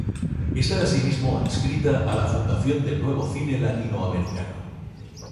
Está asimismo adscrita a la Fundación del Nuevo Cine Latinoamericano.